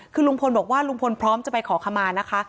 คือลุงพลบอกว่าลุงพลพร้อมจะไปขอขมานะคะ